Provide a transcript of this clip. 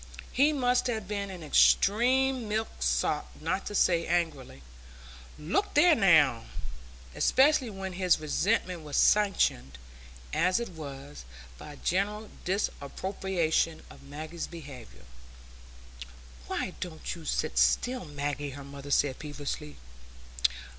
He must have been an extreme milksop not to say angrily, "Look there, now!" especially when his resentment was sanctioned, as it was, by general disapprobation of Maggie's behaviour. "Why don't you sit still, Maggie?" her mother said peevishly.